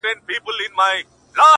o لکه ماسوم بې موره،